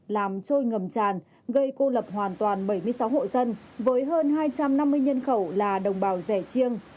làm trôi ngầm tràn gây cô lập hoàn toàn bảy mươi sáu hộ dân với hơn hai trăm năm mươi nhân khẩu là đồng bào rẻ chiêng